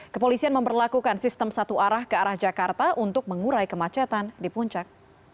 kepolisian memperlakukan sistem satu arah ke arah jakarta untuk mengurai kemacetan di puncak